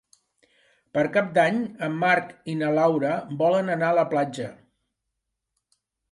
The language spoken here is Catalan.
Per Cap d'Any en Marc i na Laura volen anar a la platja.